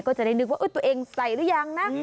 ก็จะได้นึกว่าตัวเองใส่หรือยังนะ